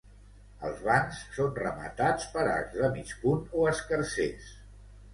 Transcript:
Els vans són rematats per arcs de mig punt o escarsers.